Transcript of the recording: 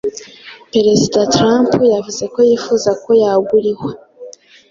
Perezida Trump yavuze ko yifuza ko yagurihwa